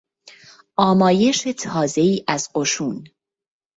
آمایش تازهای از قشون